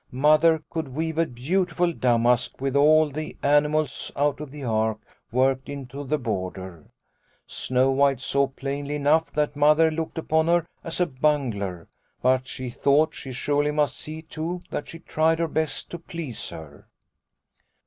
Mother could weave a beautiful damask with all the animals out of the Ark worked into the border. Snow White saw plainly enough that Mother looked upon her as a bungler, but she thought she surely must see, too, that she tried her best to please her.